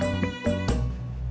aku mau berbual